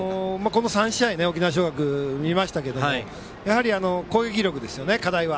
この３試合沖縄尚学を見ましたけどもやはり攻撃力ですね、課題は。